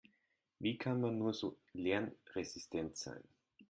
Wie kann man nur so lernresistent sein?